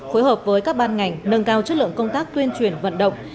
phối hợp với các ban ngành nâng cao chất lượng công tác tuyên truyền vận động